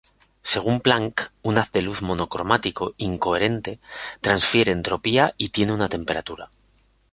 Según Planck, un haz de luz monocromático incoherente transfiere entropía y tiene una temperatura.